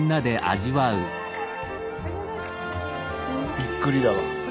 びっくりだわ。